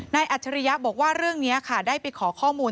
อัจฉริยะบอกว่าเรื่องนี้ค่ะได้ไปขอข้อมูล